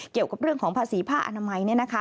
เกี่ยวกับเรื่องของภาษีผ้าอนามัย